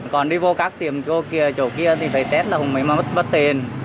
còn đi vô các tiệm chỗ kia thì phải test là không mới mất tiền